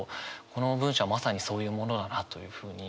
この文章はまさにそういうものだなというふうに。